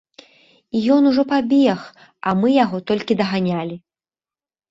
І ён ужо пабег, а мы яго толькі даганялі.